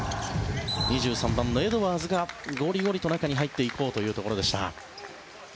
２３番のエドワーズがゴリゴリと中に入っていこうというところでした。